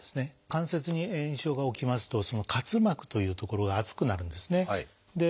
関節に炎症が起きますと滑膜という所が厚くなるんですね。